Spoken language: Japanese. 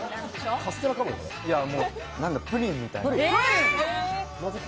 プリンみたいな。